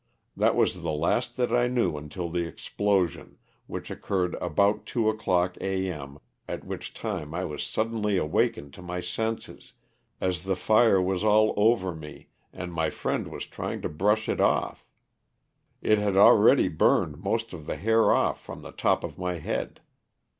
That was the last that I knew until the explosion, which occurred about two o'clock, A. m., at which time I was suddenly awakened to my senses, as the fire was all over me and my friend was trying to brush it off; it had already burned most of the hair off from the top of my head.